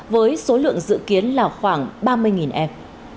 với số lượng dự kiến là khoảng ba mươi em